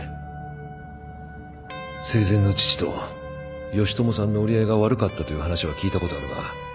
生前の父と義知さんの折り合いが悪かったという話は聞いたことあるが。